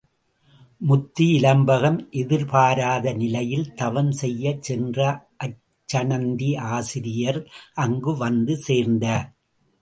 முத்தி இலம்பகம் எதிர்பாராத நிலையில் தவம் செய்யச் சென்ற அச்சணந்தி ஆசிரியர் அங்கு வந்து சேர்ந்தார்.